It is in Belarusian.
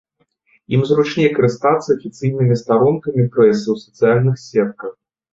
Ім зручней карыстацца афіцыйнымі старонкамі прэсы ў сацыяльных сетках.